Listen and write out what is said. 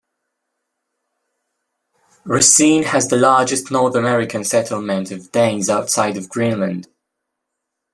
Racine has the largest North American settlement of Danes outside of Greenland.